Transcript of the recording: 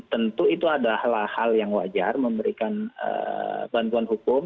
tentu itu adalah hal yang wajar memberikan bantuan hukum